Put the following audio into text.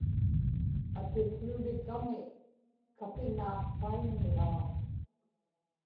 atikłulikami, kapinaaqpaiññiġaa